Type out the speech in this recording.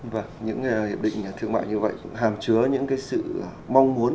và những hiệp định thương mại như vậy hàm chứa những cái sự mong muốn